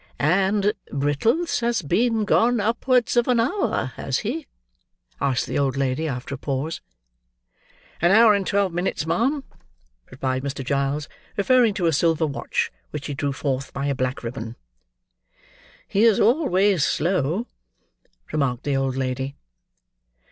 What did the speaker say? "And Brittles has been gone upwards of an hour, has he?" asked the old lady, after a pause. "An hour and twelve minutes, ma'am," replied Mr. Giles, referring to a silver watch, which he drew forth by a black ribbon. "He is always slow," remarked the old lady.